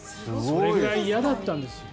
それぐらい嫌だったんですよ。